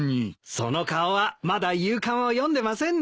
その顔はまだ夕刊を読んでませんね。